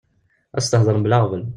Ad s-tehder mebla aɣbel.